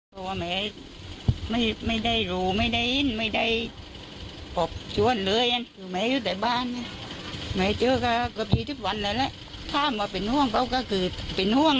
ก็เป็นห่วงทำเพื่อก็แล้วแต่ก่อนทำเพื่อก็ไม่มีนะ